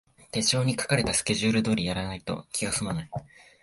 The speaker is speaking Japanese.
手帳に書かれたスケジュール通りにやらないと気がすまない